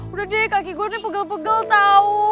udah deh kaki gue nih pegel pegel tau